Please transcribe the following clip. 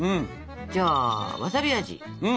じゃあわさび味。